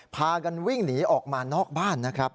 พากันวิ่งหนีออกมานอกบ้านนะครับ